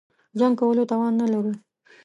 جنګ کولو توان نه لرو.